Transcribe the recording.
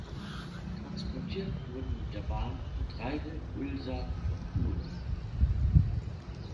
Transportiert wurden mit der Bahn Getreide, Ölsaaten und Kohle.